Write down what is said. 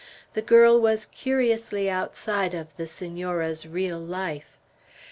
The girl was curiously outside of the Senora's real life.